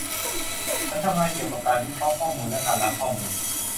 ฉันทำงานเกี่ยวกับการวิเคราะห์ข้อมูลและการล้างข้อมูล